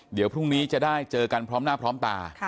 เดี๋ยวพรุ่งนี้จะได้เจอกันพร้อมหน้าพร้อมตา